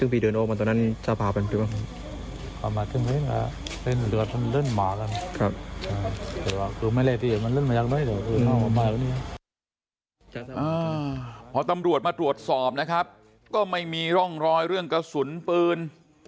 พอตำรวจมาตรวจสอบนะครับก็ไม่มีร่องรอยเรื่องกระสุนปืน